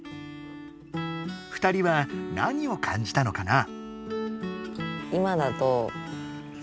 ２人は何を感じたのかな？